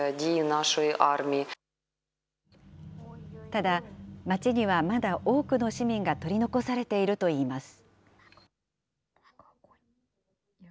ただ、街にはまだ多くの市民が取り残されているといいます。